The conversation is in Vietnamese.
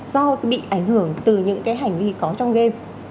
do bị ảnh hưởng từ những cái hành vi có trong game